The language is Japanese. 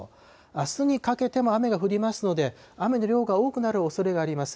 あすにかけても雨が降りますので、雨の量が多くなるおそれがあります。